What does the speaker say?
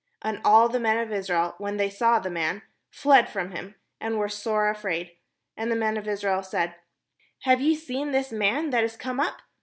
And all the men of Israel, when they saw the man, fled from him, and were sore afraid. And the men of Israel said: "Have ye seen this man that is come up?